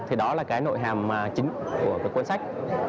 thì đó là cái nội hàm mà chính của cái cuốn sách